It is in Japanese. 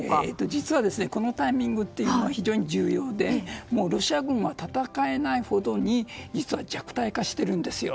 実は、このタイミングは非常に重要でロシア軍は戦えないほどに実は弱体化しているんです。